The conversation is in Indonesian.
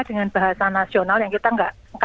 dengan bahasa nasional yang kita nggak